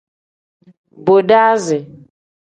Bodasi.